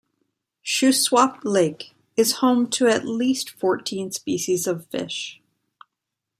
Shuswap Lake is home to at least fourteen species of fish.